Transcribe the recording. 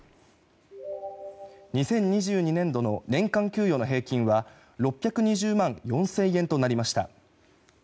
２０２０年度の年間給与の平均は６２０万４０００円となりました。